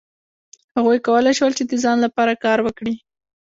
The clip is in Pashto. هغوی کولای شول چې د ځان لپاره کار وکړي.